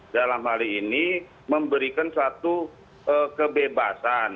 dalam hal ini memberikan suatu kebebasan